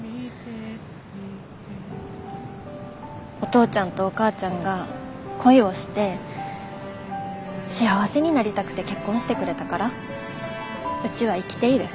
お父ちゃんとお母ちゃんが恋をして幸せになりたくて結婚してくれたからうちは生きている。